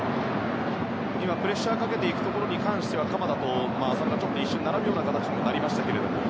今、プレッシャーをかけていくところに関しては鎌田と浅野が一瞬並ぶような形になりましたが。